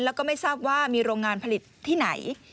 แล้วก็ไม่ทราบว่ามีโรงงานผลิตที่ไหน